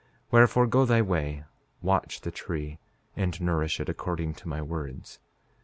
5:12 Wherefore, go thy way; watch the tree, and nourish it, according to my words.